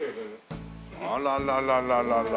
あらららららら。